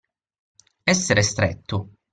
Essere stretto.